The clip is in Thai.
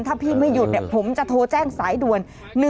ถ้าพี่ไม่หยุดผมจะโทรแจ้งสายด่วน๑๒